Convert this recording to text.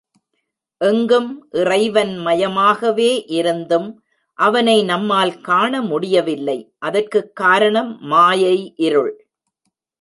எங்கும் இறைவன் மயமாகவே இருந்தும் அவனை நம்மால் காண முடியவில்லை அதற்குக் காரணம் மாயை இருள்.